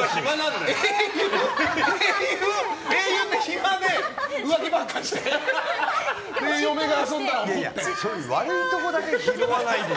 英雄って暇で浮気ばっかして悪いところだけ拾わないでよ。